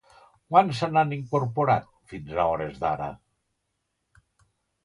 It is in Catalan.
Quants se n'han incorporat, fins a hores d'ara?